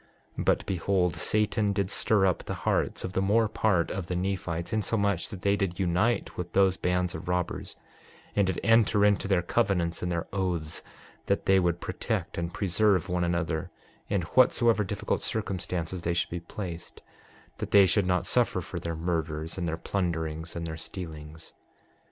6:21 But behold, Satan did stir up the hearts of the more part of the Nephites, insomuch that they did unite with those bands of robbers, and did enter into their covenants and their oaths, that they would protect and preserve one another in whatsoever difficult circumstances they should be placed, that they should not suffer for their murders, and their plunderings, and their stealings.